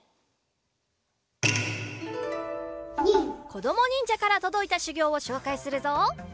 こどもにんじゃからとどいたしゅぎょうをしょうかいするぞ！